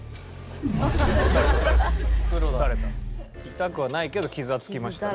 痛くはないけど傷はつきましたね